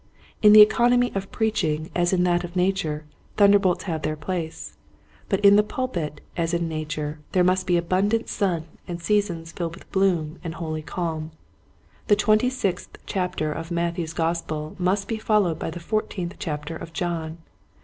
In the economy of preaching as in that of Nature thunderbolts have their place, but in the pulpit as in Nature there must be abundant sun and seasons filled 58 Quiet Hints to Growing Preachers. with bloom and holy calm. The twenty, sixth chapter of Matthew's Gospel must be followed by the fourteenth chapter of John.